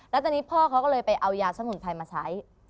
แล้วตอนนี้พ่อเขาก็เลยไปเอายาสมุนไพรมาใช้